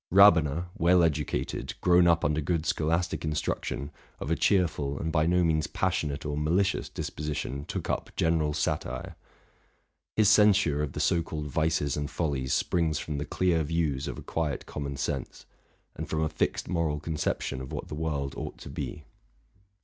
Rabener, well educated, grown up under good scholastic instruction, of a cheerful, and by no means passionate or malicious, disposition, took up general satire. His censure of the so called vices and follies springs from the clear views of & quiet common sense, and from a fixed moral conceweiail 216 TRUTH AND FICTION of what the world ought to be.